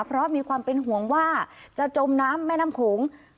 เพราะมีความเป็นห่วงว่าจะจมน้ำแม่น้ำโขง